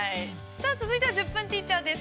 さあ、続いては１０分ティーチャーです。